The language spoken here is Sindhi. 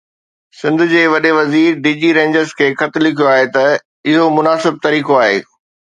سنڌ جي وڏي وزير ڊي جي رينجرز کي خط لکيو آهي ته اهو مناسب طريقو آهي.